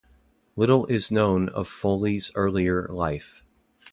Little is known of Foaly's earlier life.